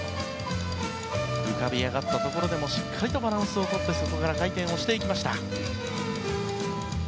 浮かび上がったところでもしっかりとバランスをとってそこから回転していきました。